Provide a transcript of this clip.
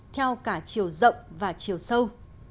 theo cả chiều rộng và chiều sâu